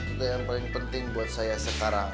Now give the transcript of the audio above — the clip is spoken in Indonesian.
itu yang paling penting buat saya sekarang